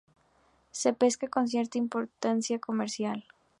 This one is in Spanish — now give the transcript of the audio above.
Se pesca con cierta importancia comercial.